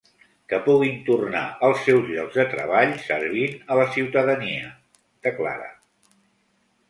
Que puguin tornar als seus llocs de treball servint a la ciutadania, declara.